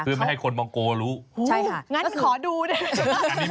คือไม่ให้คนมองโกรู้อู้งั้นขอดูได้ไหมคะ